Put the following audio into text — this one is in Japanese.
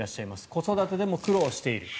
子育てでも苦労している。